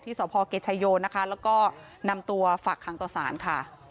ที่สนุกเพราะเกธชายนนะคะแล้วก็นำตัวฝักคำต่อสารค่ะ